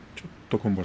今場所